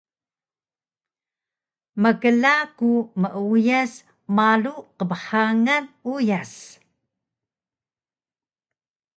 Mkla ku meuyas malu qbhangan uyas